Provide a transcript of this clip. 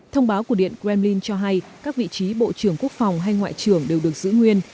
thông báo của điện kremlin cho hay các vị trí bộ trưởng quốc phòng hay ngoại trưởng đều được giữ nguyên